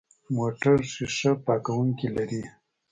موټر شیشه پاکونکي لري.